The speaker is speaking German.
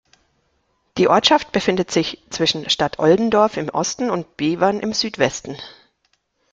Die Ortschaft befindet sich zwischen Stadtoldendorf im Osten und Bevern im Südwesten.